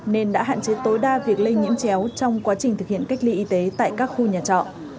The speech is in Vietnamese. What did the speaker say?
nên đã hạn chế tối đa việc lây nhiễm chéo trong quá trình thực hiện cách ly y tế tại các khu nhà trọ